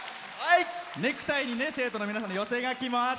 ネクタイに生徒の皆さんの寄せ書きもあって。